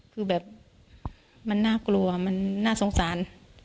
คือแบบมันน่ากลัวมันน่าสงสาร